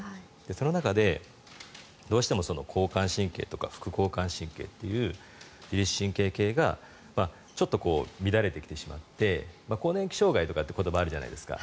その中でどうしても交感神経とか副交感神経という自律神経系がちょっと乱れてきてしまって更年期障害とかって言葉あるじゃないですか。